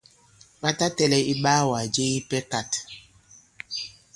Ɓa ta tɛ̄lɛ̄ iɓaawàgà je ipɛ kāt.